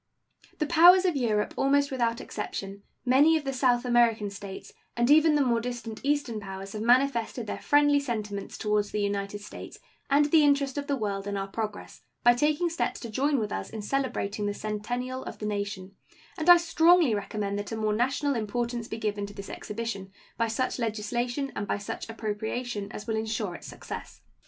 The powers of Europe almost without exception, many of the South American States, and even the more distant Eastern powers have manifested their friendly sentiments toward the United States and the interest of the world in our progress by taking steps to join with us in celebrating the centennial of the nation, and I strongly recommend that a more national importance be given to this exhibition by such legislation and by such appropriation as will insure its success.